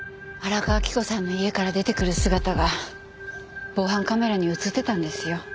荒川着子さんの家から出てくる姿が防犯カメラに映ってたんですよ。